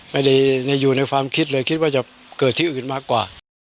ไม่ได้อยู่ในความคิดเลยคิดว่าจะเกิดที่อื่นมากกว่า